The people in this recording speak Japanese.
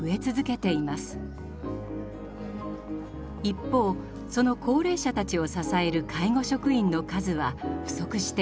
一方その高齢者たちを支える介護職員の数は不足しています。